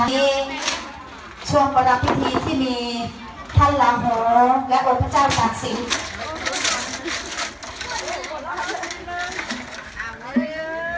นี่ช่วงประพิธีที่มีท่านลาโฮและองค์พระเจ้าศักดิ์สิทธิ์